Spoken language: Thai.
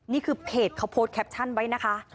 นี่คือเพจเขาโพสต์แคปชั่นไว้นะคะ